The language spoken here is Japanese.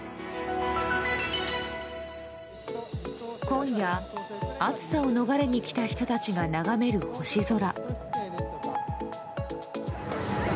今夜、暑さを逃れに来た人たちが眺める星空。